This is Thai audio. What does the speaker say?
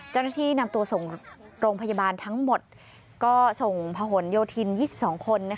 เจ้าหน้าที่นำตัวส่งโรงพยาบาลทั้งหมดก็ส่งพหนโยธิน๒๒คน